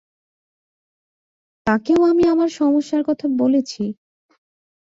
তাঁকেও আমি আমার সমস্যার কথা বলেছি।